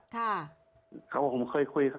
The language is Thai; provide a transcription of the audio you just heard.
เขาบอกว่าผมเคยคุย